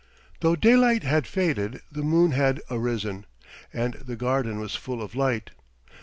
Though daylight had faded the moon had arisen, and the garden was full of light.